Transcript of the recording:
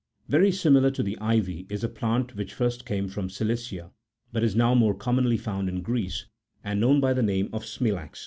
Very similar to the ivy is a plant which first came from Cilicia, but is now more commonly found in Greece, and known by the name of smilax.